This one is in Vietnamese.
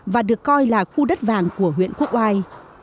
và được coi là khu đất vàng của huyện quốc oai